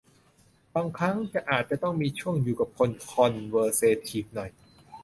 บางครั้งอาจจะมีช่วงต้องอยู่กับคนคอนเซอร์เวทีฟหน่อย